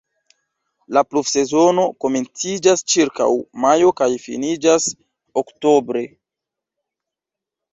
La pluvsezono komenciĝas ĉirkaŭ majo kaj finiĝas oktobre.